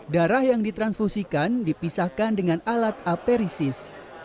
darah yang ditransfusikan dipisahkan dengan alat aperisis